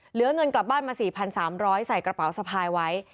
เหลือเงินกลับบ้านมา๔๓๐๐ใส่กระเป๋าสะพายไว้